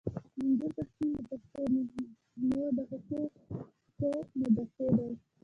منظور پښتین د پښتنو د حقوقو مدافع دي.